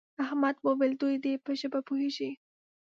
احمد وویل دوی دې په ژبه پوهېږي.